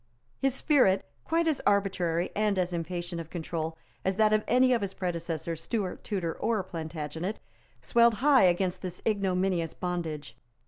His spirit, quite as arbitrary and as impatient of control as that of any of his predecessors, Stuart, Tudor or Plantagenet, swelled high against this ignominious bondage.